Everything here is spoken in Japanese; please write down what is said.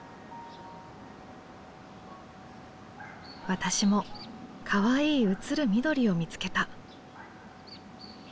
私もかわいい映る緑を見つけた。